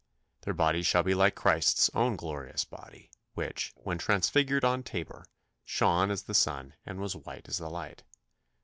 Their bodies shall be like Christ's own glorious body, which, when transfigured on Tabor, shone as the sun, and was white as the light.